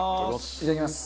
いただきます。